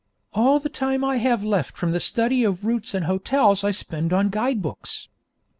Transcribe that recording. All the time I have left from the study of routes and hotels I spend on guide books.